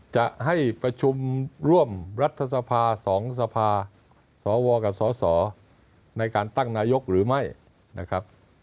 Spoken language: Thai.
จะให้ประชุมร่วมรัฐสภา๒สภาสวกับสสในการตั้งนายกหรือไม่นะครับ